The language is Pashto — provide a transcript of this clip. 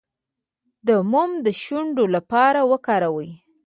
د موم د شونډو لپاره وکاروئ